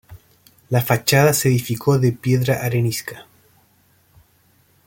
La fachada se edificó de piedra arenisca.